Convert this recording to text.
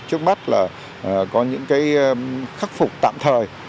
trước mắt là có những cái khắc phục tạm thời